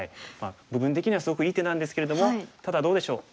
部分的にはすごくいい手なんですけれどもただどうでしょう